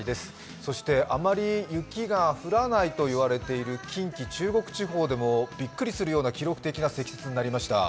そして、あまり雪が降らないといわれている近畿・中国地方でもびっくりするような記録的な積雪になりました。